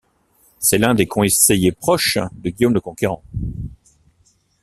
C’est l’un des conseillers proches de Guillaume le Conquérant.